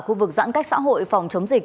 khu vực giãn cách xã hội phòng chống dịch